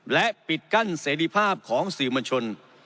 และปิดกั้นเสรีภาพของสื่อมวลชน